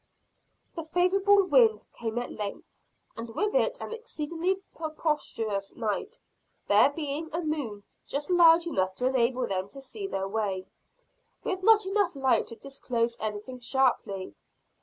The favorable wind came at length, and with it an exceedingly propitious night; there being a moon just large enough to enable them to see their way, with not enough light to disclose anything sharply.